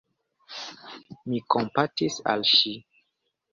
Mi kompatis al ŝi.